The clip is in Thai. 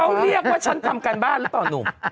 เขาเรียกว่าฉันทำการบ้านหรือเปล่าหนุ่ม